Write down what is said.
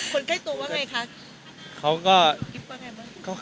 คนใกล้ตัวว่าไงครับ